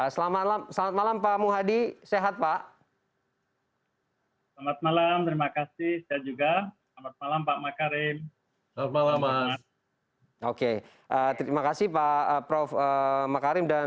selamat malam pak muhadi sehat pak